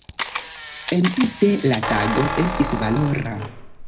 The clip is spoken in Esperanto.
Entute la tago estis valora.